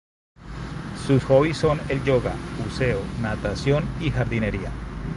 Sus hobbies son el yoga, buceo, natación y jardinería.